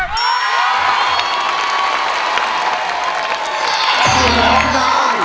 ดายเงิน